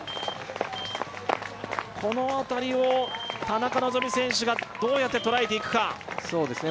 この辺りを田中希実選手がどうやってとらえていくかそうですね